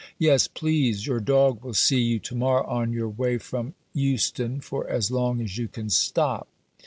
Yes, please, your dog will see you to morrow on your way from Euston for as long as you can stop."